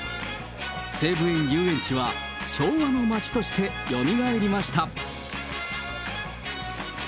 西武園ゆうえんちは昭和の街としてよみがえりました。